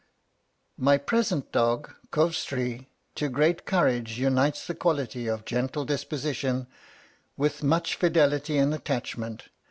"My present dog, Comhstri, to great courage unites the quality of a gentle disposition, with much fidelity and attachment.